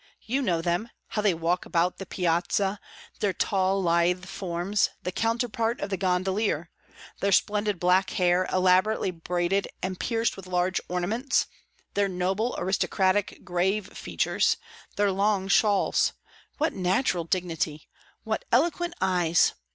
You know them, how they walk about the piazza; their tall, lithe forms, the counterpart of the gondolier; their splendid black hair, elaborately braided and pierced with large ornaments; their noble, aristocratic, grave features; their long shawls! What natural dignity! What eloquent eyes!